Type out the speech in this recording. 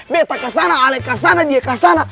betah ke sana alih ke sana dia ke sana